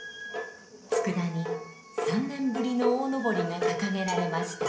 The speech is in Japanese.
佃に３年ぶりの大幟が掲げられました。